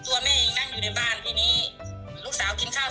ตัวแม่ยังนั่งอยู่ในบ้านที่นี้